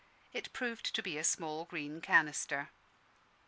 It proved to be a small green canister.